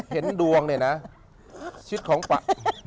เห็นดวงเนี่ยนะชิดของปะ